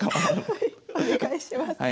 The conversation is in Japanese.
はいお願いします。